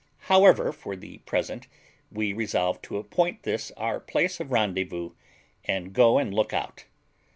However, for the present we resolved to appoint this for our place of rendezvous, and go and look out.